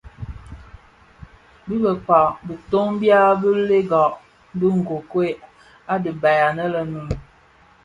Bi bëkpag bitoň bya bi bèlèga bi nkokuel a dhibaï anë le Noun.